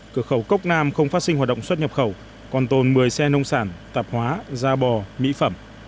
cửa khẩu cốc nam không phát sinh hoạt động xuất nhập khẩu còn tồn một mươi xe nông sản tạp hóa da bò mỹ phẩm